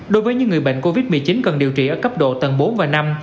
đối với những người bệnh covid một mươi chín cần điều trị ở cấp độ tầng bốn và năm